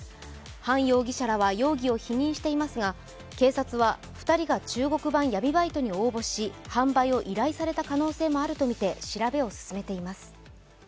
ハン容疑者らは容疑を否認していますが警察は２人が中国版闇バイトに応募し販売を依頼された可能性もあるとみて、調べを進めています。